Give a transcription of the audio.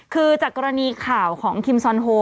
คือจากกรณีข่าวของคิมซอนโฮ